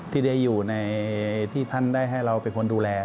ที่ได้อยู่ในที่ท่านได้ให้เราเป็นคนดูแล